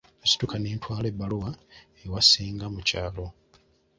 Nasituka ne ntwala ebbaluwa ewa ssenga mu kyalo.